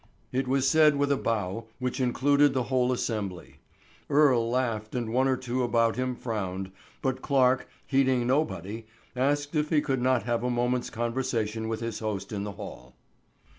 It was said with a bow which included the whole assembly. Earle laughed and one or two about him frowned, but Clarke, heeding nobody, asked if he could not have a moment's conversation with his host in the hall.